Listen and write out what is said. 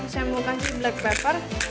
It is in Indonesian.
saya mau kasih black pepper